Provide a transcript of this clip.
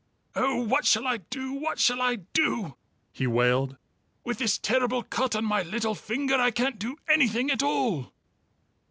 "Oh, what shall I do? What shall I do?" he wailed. "With this terrible cut on my little finger, I can't do anything at all!"